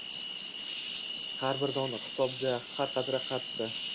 Har bir don hisobda, har qatra xatda.